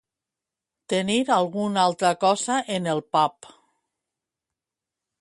Tenir alguna altra cosa en el pap.